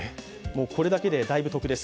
これだけでだいぶ得です。